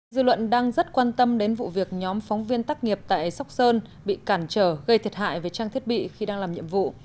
dư luận đang rất quan tâm đến vụ việc nhóm phóng viên tác nghiệp tại sóc sơn bị cản trở gây thiệt hại về trang thiết bị khi đang làm nhiệm vụ